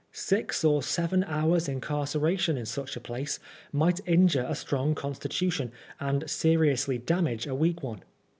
Six or seven hours' incarceration in such a place might injure a strong constitution and seriously damage a weak one.